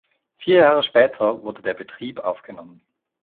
Vier Jahre später wurde der Betrieb aufgenommen.